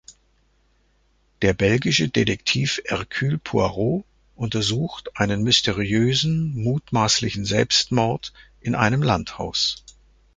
Der belgische Detektiv Hercule Poirot untersucht einen mysteriösen mutmaßlichen Selbstmord in einem Landhaus.